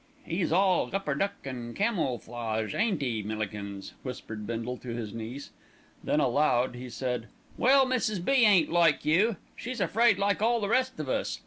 "'E's all Gupperduck an' camelflage, ain't 'e, Millikins?" whispered Bindle to his niece. Then aloud he said: "Well, Mrs. B. ain't like you! She's afraid like all the rest of us.